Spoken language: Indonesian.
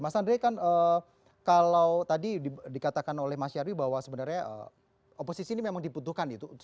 mas andre kan kalau tadi dikatakan oleh mas nyarwi bahwa sebenarnya oposisi ini memang dibutuhkan gitu